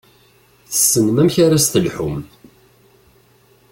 Tessnem amek ara s-telḥum.